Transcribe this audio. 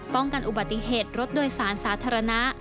๔ป้องกันอุบัติเหตุรถด้วยศาลสาธารณะ